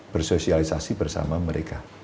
bersosialisasi bersama mereka